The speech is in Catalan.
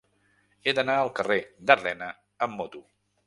He d'anar al carrer d'Ardena amb moto.